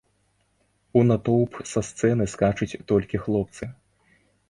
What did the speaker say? У натоўп са сцэны скачуць толькі хлопцы.